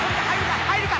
入るか？